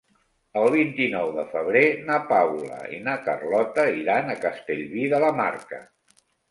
El vint-i-nou de febrer na Paula i na Carlota iran a Castellví de la Marca.